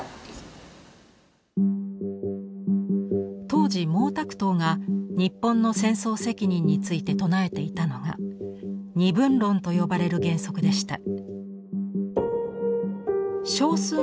当時毛沢東が日本の戦争責任について唱えていたのが二分論と呼ばれる原則でした。